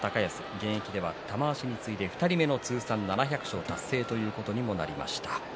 現役では玉鷲に次いで２人目の通算７００勝達成ということになりました。